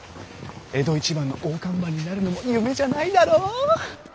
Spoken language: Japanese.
江戸一番の大看板になるのも夢じゃないだろう！